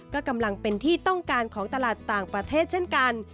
ก็กำลังเป็นที่ต้องการของตลาดต่างประเทศเช่นกัน